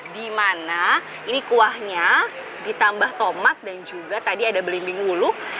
dimana ini kuahnya ditambah tomat dan juga tadi ada belimbing wuluk